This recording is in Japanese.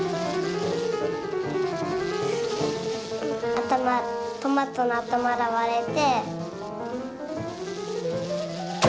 あたまトマトのあたまがわれて。